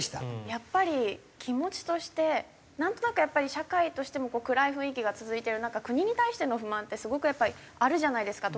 やっぱり気持ちとしてなんとなく社会としても暗い雰囲気が続いてる中国に対しての不満ってすごくやっぱりあるじゃないですか。